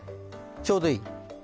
ちょうどいい。